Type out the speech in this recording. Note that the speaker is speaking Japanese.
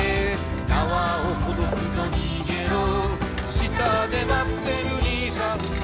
「縄をほどくぞ逃げろ」「下で待ってる兄さん」